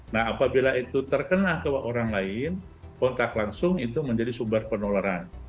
nah apabila itu terkena ke orang lain kontak langsung itu menjadi sumber penularan